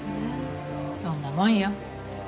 そんなもんよ。